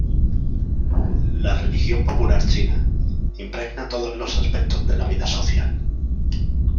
La religión popular china impregna todos los aspectos de la vida social.